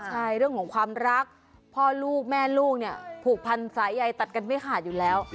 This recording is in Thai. ใช่เรื่องของความรักพ่อลูกแม่ลูกเนี่ยผูกพันสายใยตัดกันไม่ขาดอยู่แล้ว